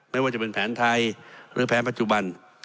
ไม่ว่าจะเป็นแผนไทยหรือแผนปัจจุบัน